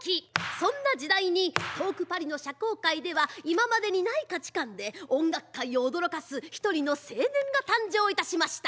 そんな時代に遠くパリの社交界では今までにない価値観で音楽界を驚かす１人の青年が誕生いたしました。